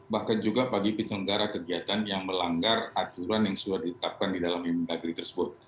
bahkan juga bagi penyelenggara kegiatan yang melanggar aturan yang sudah ditetapkan di dalam imdagri tersebut